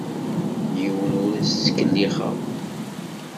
Yiwen ur as-ttkellixeɣ.